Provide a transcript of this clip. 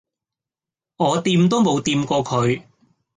我掂都冇掂過佢